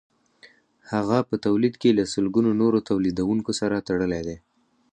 هغه په تولید کې له سلګونو نورو تولیدونکو سره تړلی دی